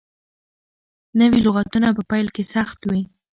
نوي لغتونه په پيل کې سخت وي.